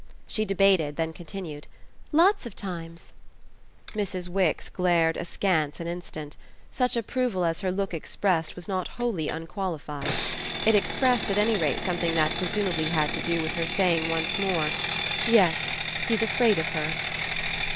She debated, then continued: "Lots of times!" Mrs. Wix glared askance an instant; such approval as her look expressed was not wholly unqualified. It expressed at any rate something that presumably had to do with her saying once more: "Yes. He's afraid of her."